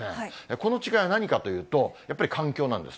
この違いは何かというと、やっぱり環境なんです。